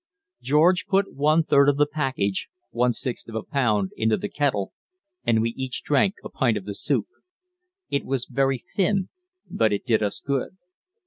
George put one third of the package (one sixth of a pound) into the kettle, and we each drank a pint of the soup. It was very thin, but it did us good.